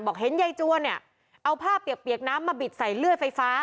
เห็นยายจวนเนี่ยเอาผ้าเปียกน้ำมาบิดใส่เลื่อยไฟฟ้า